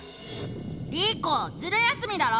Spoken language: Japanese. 「リコズル休みだろ！